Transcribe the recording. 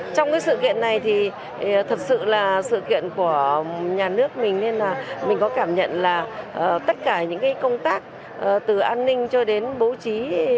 trong cái sự kiện này thì thật sự là sự kiện của nhà nước mình nên là mình có cảm nhận là tất cả những công tác từ an ninh cho đến bố trí